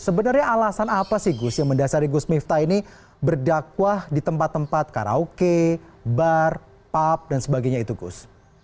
sebenarnya alasan apa sih gus yang mendasari gus miftah ini berdakwah di tempat tempat karaoke bar pub dan sebagainya itu gus